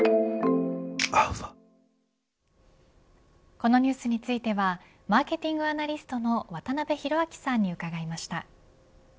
このニュースについてはマーケティングアナリストの渡辺広明さんに伺いました。